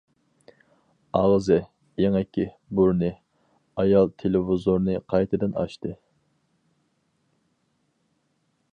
ئاغزى، ئېڭىكى، بۇرنى. ئايال تېلېۋىزورنى قايتىدىن ئاچتى.